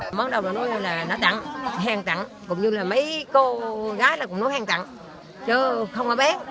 hàng tặng cũng như là mấy cô gái là cũng nó hàng tặng chứ không có bé